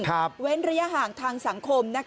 การระยะห่างทางสังคม